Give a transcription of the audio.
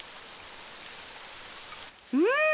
うん！